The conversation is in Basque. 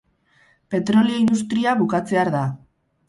Petrolio-industria bukatzear da.